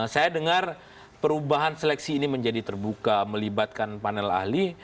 saya dengar perubahan seleksi ini menjadi terbuka melibatkan panel ahli